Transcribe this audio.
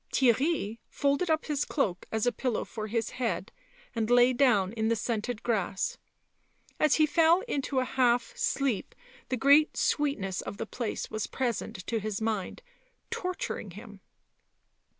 Theirry folded up his cloak as a pillow for his head and lay down in the scented grass; as he fell into a half sleep the great sweetness of the place was present to his mind, torturing him.